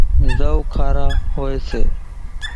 زوَ کارا هوئيَ سي۔